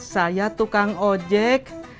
saya tukang ojek